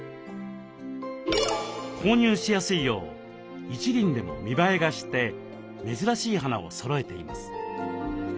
購入しやすいよう一輪でも見栄えがして珍しい花をそろえています。